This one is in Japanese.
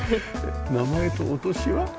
名前とお年は？